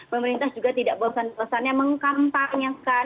pemerintah juga tidak bosan bosannya mengkampanyekan